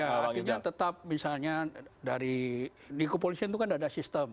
akhirnya tetap misalnya dari dikepolisian itu kan ada sistem